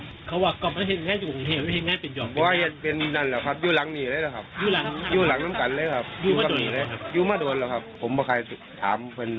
เขาว่ากรอบแล้วเห็นไงอยู่ของเฮียวเห็นไงเป็นยอม